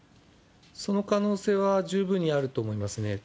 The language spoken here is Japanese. その可能性は十分にあると思いますね。